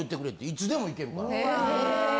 いつでも行けるから。え！？